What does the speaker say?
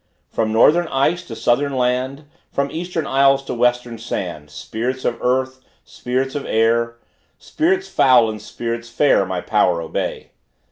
From northern ice to southern land: From eastern isles to western sand, Spirits of earth, spirits of air; Spirits foul and spirits fair, My power obey!